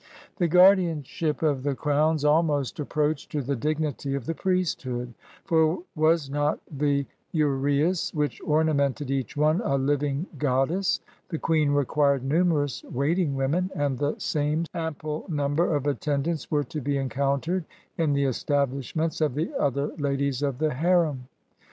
The guardianship of the crowns ahnost IS EGYPT approached to the dignity of the priesthood; for was not the urceus, which ornamented each one, a living god dess? The queen required numerous waiting women, and the same ample number of attendants were to be encountered in the establishments of the other ladies of the harem.